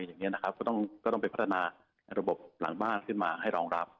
อย่างนี้นะครับก็ต้องไปพัฒนาระบบหลังบ้านขึ้นมาให้รองรับ